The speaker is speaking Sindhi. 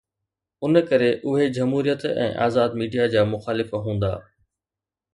ان ڪري اهي جمهوريت ۽ آزاد ميڊيا جا مخالف هوندا.